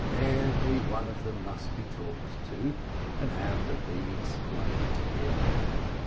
Everyone of them must be talked to, and have the thing explained to him.